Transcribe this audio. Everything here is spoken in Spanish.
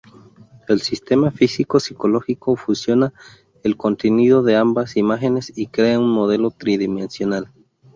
El sistema físico-psicológico fusiona el contenido de ambas imágenes y crea un modelo tridimensional.